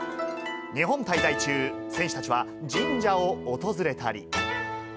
日本滞在中、選手たちは神社を訪れたり。